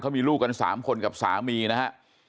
มีลูกกัน๓คนกับสามีนะฮะ